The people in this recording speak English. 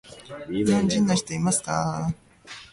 Nevertheless, he was released in the offseason.